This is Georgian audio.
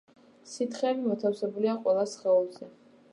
სითხეები მოთავსებულია ყველა სხეულზე